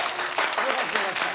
よかったよかった。